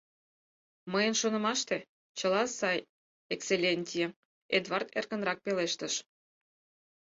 — Мыйын шонымаште, чыла сай, экселлентье, — Эдвард эркынрак пелештыш.